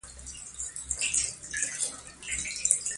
ښارونه د افغان ماشومانو د لوبو موضوع ده.